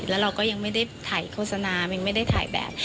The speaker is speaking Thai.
แล้วเราก็ยังไม่ได้ถ่ายโฆษณายังไม่ได้ถ่ายแบบ